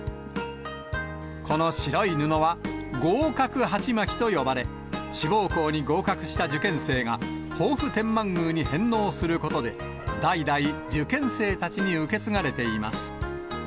この白い布は、合格はちまきと呼ばれ、志望校に合格した受験生が、防府天満宮に返納することで、代々受験生たちに受け継がれています。